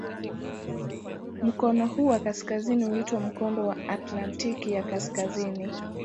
Mkono huu wa kaskazini huitwa "Mkondo wa Atlantiki ya Kaskazini".